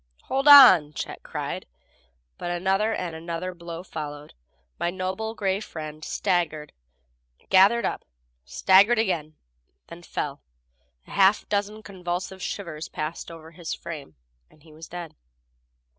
"Hold on!" Chet cried, but another, and another blow followed. My noble gray friend staggered, gathered up, staggered again, then fell. A half dozen convulsive shivers passed over his frame and he was dead.